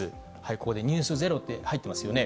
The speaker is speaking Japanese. ここでｎｅｗｓｚｅｒｏって入ってますよね。